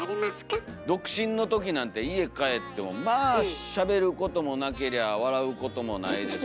独身のときなんて家帰ってもまあしゃべることもなけりゃ笑うこともないですし。